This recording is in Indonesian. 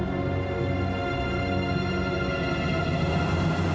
astaga dia kena perempuan itu